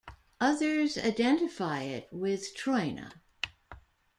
Others identify it with Troina.